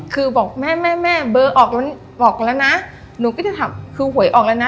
คือบอกแม่แม่เบอร์ออกแล้วนะหนูก็จะถามคือหวยออกแล้วนะ